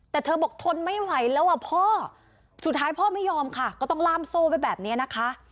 แต่เธอบอกทนไม่ไหวแล้วอ่ะพ่อสุดท้ายพ่อไม่ยอมค่ะก็ต้องล่ามโซ่ไว้แบบนี้นะคะ